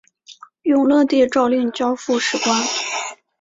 永乐帝诏令交付史官。